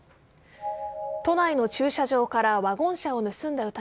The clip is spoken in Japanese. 都内の駐車場からワゴン車を盗んだ